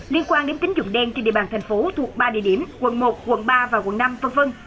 liên quan đến tính dụng đen trên địa bàn thành phố thuộc ba địa điểm quận một quận ba và quận năm v v